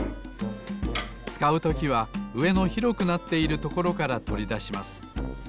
つかうときはうえの広くなっているところからとりだします。